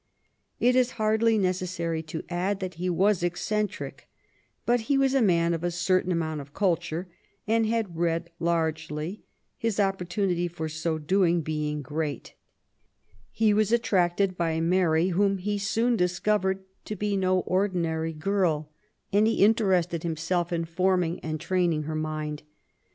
It is hardly necessary to add that he was eccentric, but he was a man of a certain amount of culture, and had read largely, his oppor tunity for so doing being great. He was attracted by Mary, whom he soon discovered to be no ordinary CEILBHOOD AND EAELY YOUTH. IS girl^ and he interested himself in forming and training her mind.